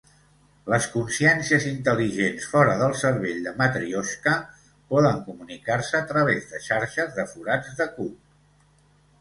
Les consciències intel·ligents fora del cervell de Matrioshka poden comunicar-se a través de xarxes de forats de cuc.